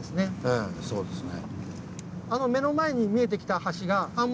ええそうですね。